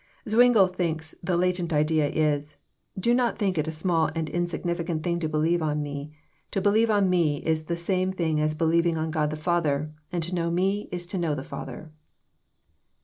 Zwingle thinks the latent idea is, *' Do not think it is a small and insignificant thing to believe on Me. To believe on Me fs the same thing as believing on God the Father, and to know Me is to know the Father."